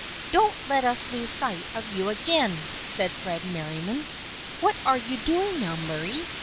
" Don't let us lose sight of you again," said Fred Merriam. "What are you doing now, Murray?